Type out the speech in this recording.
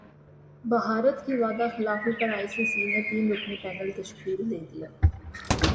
بھارت کی وعدہ خلافی پر ائی سی سی نے تین رکنی پینل تشکیل دیدیا